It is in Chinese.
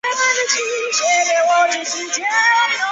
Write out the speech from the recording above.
他出演过众多的喜剧和电视节目。